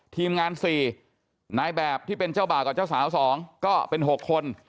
ทีมงาน๔นายแบบที่เป็นเจ้าบ่าวกับเจ้าสาว๒ก็เป็น๖คน